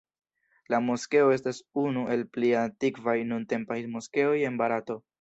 La moskeo estas unu el pli antikvaj nuntempaj moskeoj en Barato.